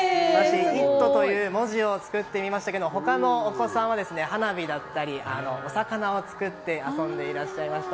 「イット！」という文字を作ってみましたけど他のお子さんは花火だったりお魚を作って遊んでいらっしゃいました。